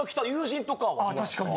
あ確かに！